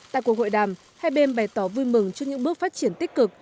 tại cuộc hội đàm hai bên bày tỏ vui mừng trước những bước phát triển tích cực